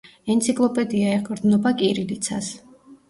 ენციკლოპედია ეყრდნობა კირილიცას.